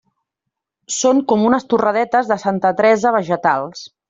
Són com unes torradetes de Santa Teresa vegetals.